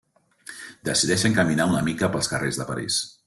Decideixen caminar una mica pels carrers de París.